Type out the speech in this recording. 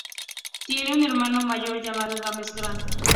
Tiene un hermano mayor llamado James Grant.